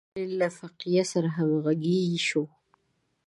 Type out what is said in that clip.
د اتمې هجري پېړۍ له فقیه سره همغږي شو.